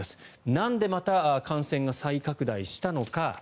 なんでまた感染が再拡大したのか。